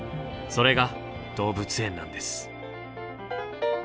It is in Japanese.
それが動物園なんです。